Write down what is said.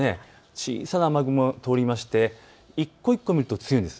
小さな雨雲が通りまして一個一個を見ると強いんです。